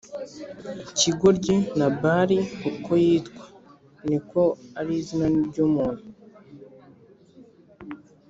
Kigoryi nabali uko yitwa ni ko ari izina ni ryo muntu